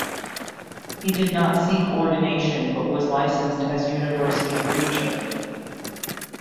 He did not seek ordination, but was licensed as University Preacher.